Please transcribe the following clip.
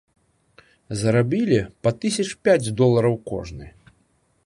Зарабілі па тысяч пяць долараў кожны.